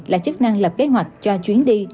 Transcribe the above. là chức năng lập kế hoạch cho chuyến đi